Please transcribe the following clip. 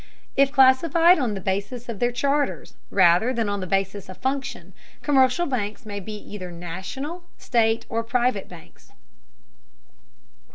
If classified on the basis of their charters, rather than on the basis of function, commercial banks may be either National, State, or private banks.